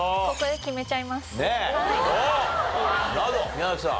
宮崎さん。